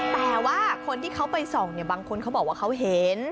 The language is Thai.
แต่ว่าคนที่เขาไปส่องเนี่ยบางคนเขาบอกว่าเขาเห็น